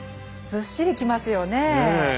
ずっしりきますよねえ。